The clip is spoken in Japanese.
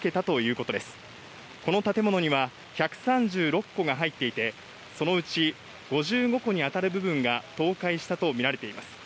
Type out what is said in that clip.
この建物には１３６戸が入っていて、そのうち５５戸に当たる部分が倒壊したとみられています。